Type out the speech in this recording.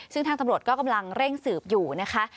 ซึ่งทางตำรวจก็กำลังเร่งสืบอยู่นะคะ